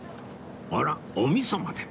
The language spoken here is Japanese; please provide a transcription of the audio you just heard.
あらおみそまで。